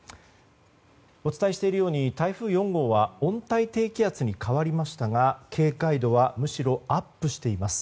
お伝えしているように台風４号は温帯低気圧に変わりましたが、警戒度はむしろアップしています。